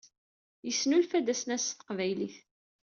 Yesnnulfad asnas s taqbaylit.